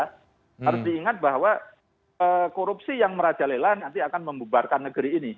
harus diingat bahwa korupsi yang merajalela nanti akan membubarkan negeri ini